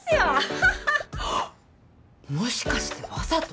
ハッハッハあっもしかしてわざと？